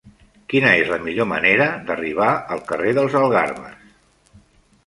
Quina és la millor manera d'arribar al carrer dels Algarves?